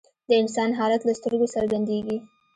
د انسان حالت له سترګو څرګندیږي